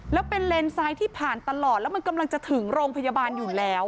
แล้วเป็นเลนซ้ายที่ผ่านตลอดแล้วมันกำลังจะถึงโรงพยาบาลอยู่แล้ว